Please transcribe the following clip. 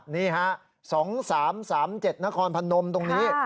นี่ฮะ๒๓๓๗นครพนมตรงนี้